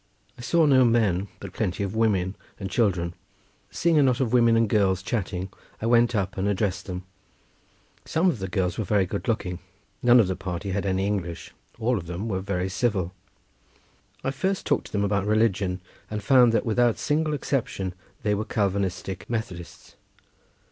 I saw no men, but plenty of women and children. Seeing a knot of women and girls chatting I went up and addressed them—some of the girls were very good looking—none of the party had any English; all of them were very civil. I first talked to them about religion, and found that without a single exception they were Calvinistic Methodists.